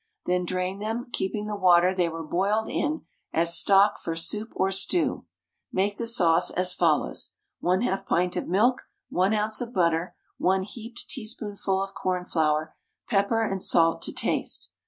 Then drain them, keeping the water they were boiled in as stock for soup or stew. Make the sauce as follows: 1/2 pint of milk, 1 oz. of butter, 1 heaped teaspoonful of cornflour, pepper and salt to taste.